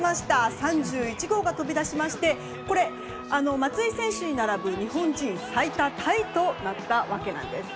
３１号が飛び出しましてこれ、松井選手に並ぶ日本人最多タイとなったんです。